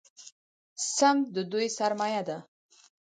سمت د دوی سرمایه ده.